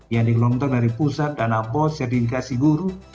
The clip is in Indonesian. yang dikelontong dari pusat dana bos sertifikasi guru